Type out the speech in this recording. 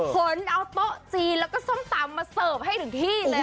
ขนเอาโต๊ะจีนแล้วก็ส้มตำมาเสิร์ฟให้ถึงที่เลย